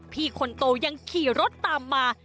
พี่คนโตยังขี่รถตามมา